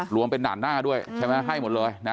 รวมเป็นด่านหน้าด้วยใช่ไหมให้หมดเลยนะ